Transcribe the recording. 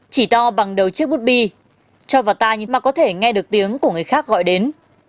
chỉ to bằng đầu chiếc bút bi cho vào tay mà có thể nghe được tiếng của người khác gọi đến